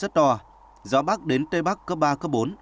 rất to gió bắc đến tây bắc cấp ba cấp bốn